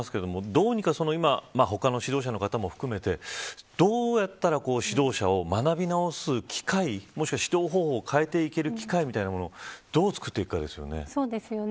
どうにか他の指導者の方も含めてどうやったら指導者を学び直す機会もしくは指導法を変えていける機会みたいなものをどうつくっていくかですね。